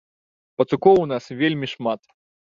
Пацукоў у нас вельмі шмат.